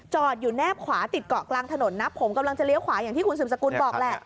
จอดอยู่แนบขวาติดเกาะกลางถนนนะผมกำลังจะเลี้ยวขวาอย่างที่คุณสืบสกุลบอกแหละ